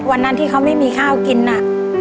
วันนั้นที่เขาไม่มีข้าวกินน่ะ